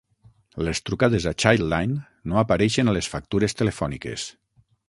Les trucades a Childline no apareixen a les factures telefòniques.